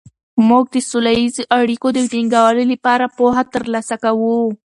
موږ د سوله ییزو اړیکو د ټینګولو لپاره پوهه ترلاسه کوو.